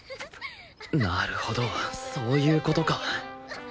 なるほどそういう事か